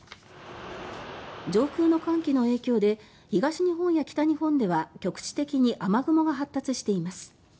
上空の寒気の影響で東日本や北日本では局地的に雨雲が発達しています。